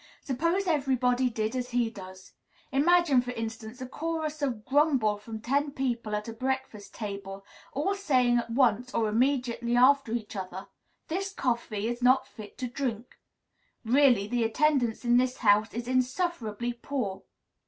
Suppose everybody did as he does. Imagine, for instance, a chorus of grumble from ten people at a breakfast table, all saying at once, or immediately after each other, "This coffee is not fit to drink." "Really, the attendance in this house is insufferably poor."